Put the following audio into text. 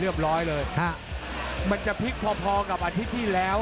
เรียบร้อยเลยฮะมันจะพลิกพอพอกับอาทิตย์ที่แล้ว